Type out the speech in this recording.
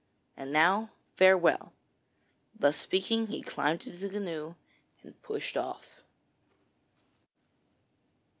And now farewell.' Thus speaking he climbed into the canoe and pushed off.